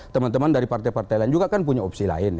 teman teman dari partai partai lain juga kan punya opsi lain